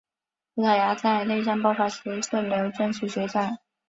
葡萄牙在内战爆发时虽没有正式宣战。